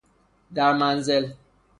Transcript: در منزل